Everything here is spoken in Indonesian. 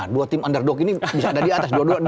dua tim underdog ini bisa ada di atas